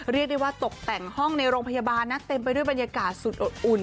เรียกได้ว่าตกแต่งห้องในโรงพยาบาลนะเต็มไปด้วยบรรยากาศสุดอบอุ่น